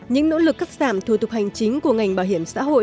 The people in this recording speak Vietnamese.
những nỗ lực cắt giảm thuộc hành chính của ngành bảo hiểm xã hội